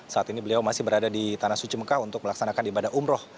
saat ini beliau masih berada di tanah suci mekah untuk melaksanakan ibadah umroh